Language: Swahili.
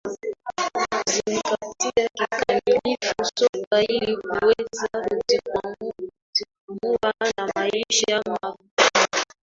Kuzingatia kikamilifu soka ili kuweza kujikwamua na maisha magumu